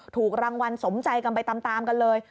ถูกรางวัลสมใจกันไปตามกันเลย